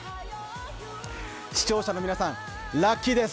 視聴者の皆さん、ラッキーです！